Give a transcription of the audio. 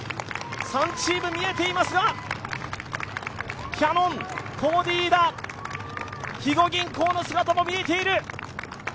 ３チーム見えていますが、キヤノン、コモディイイダ、肥後銀行の姿も見えている！